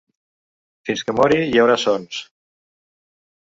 Fins que mori hi haurà sons.